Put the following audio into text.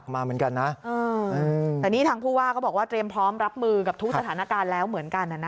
มาเหมือนกันนะแต่นี่ทางผู้ว่าก็บอกว่าเตรียมพร้อมรับมือกับทุกสถานการณ์แล้วเหมือนกัน